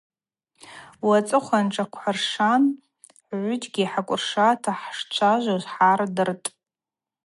Уацӏыхъван тшлыкӏвсыршан хӏгӏвыджьгьи хӏакӏвыршата хӏшчӏвыуаз хӏгӏардыртӏ.